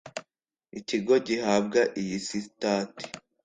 Ikigo gihabwa iyi Sitati